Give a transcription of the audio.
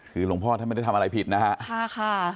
คือหลวงพ่อท่านไม่ได้ทำอะไรผิดนะฮะค่ะ